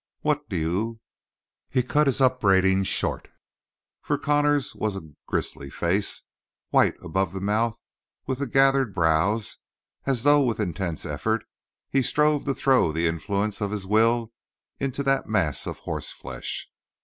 What do you " He cut his upbraidings short, for Connor's was a grisly face, white about the mouth and with gathered brows, as though, with intense effort, he strove to throw the influence of his will into that mass of horse flesh.